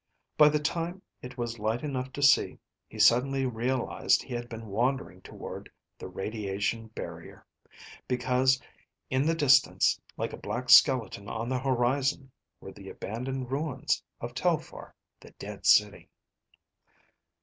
By the time it was light enough to see, he suddenly realized he had been wandering toward the radiation barrier; because in the distance, like a black skeleton on the horizon, were the abandoned ruins of Telphar, the Dead City."